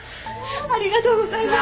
ありがとうございます。